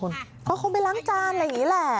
เขาคงไปล้างจานอะไรอย่างนี้แหละ